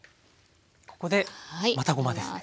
ここでまたごまですね。